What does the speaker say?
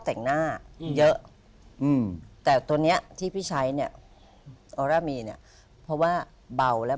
แต่งหน้าเยอะอืมแต่ตัวเนี้ยที่พี่ใช้เนี่ยออร่ามีเนี่ยเพราะว่าเบาแล้ว